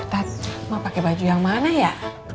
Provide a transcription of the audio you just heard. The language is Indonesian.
tad emak pake baju yang mana ya